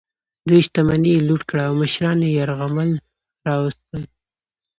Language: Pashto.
دوی شتمني یې لوټ کړه او مشران یې یرغمل راوستل.